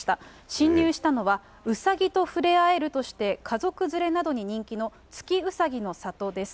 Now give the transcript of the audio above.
侵入したのは、ウサギと触れ合えるとして、家族連れなどに人気の月うさぎの里です。